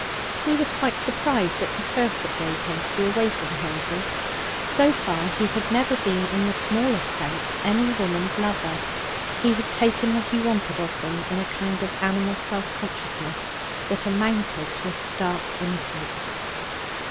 He was quite surprised at the hurt it gave him to be away from Hazel. So far he had never been, in the smallest sense, any woman's lover. He had taken what he wanted of them in a kind of animal semi consciousness that amounted to a stark innocence.